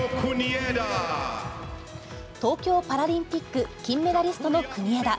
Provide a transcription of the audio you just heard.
東京パラリンピック金メダリストの国枝。